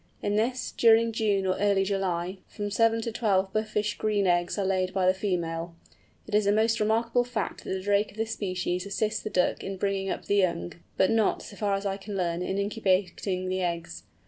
In this, during June or early July, from seven to twelve buffish green eggs are laid by the female. It is a most remarkable fact that the drake of this species assists the duck in bringing up the young, but not, so far as I can learn, in incubating the eggs.